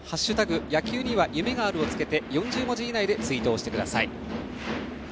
野球には夢がある」をつけて４０文字以内でツイートしてください。